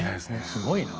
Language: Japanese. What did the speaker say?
すごいな。